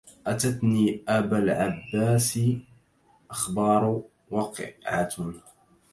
أتتني أبا العباس أخبار وقعة